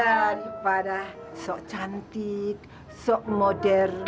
daripada sok cantik sok modern